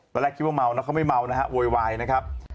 แล้วแรกคิดว่าเมานะเขาไม่เมานะฮะเวลาไหวนะครับ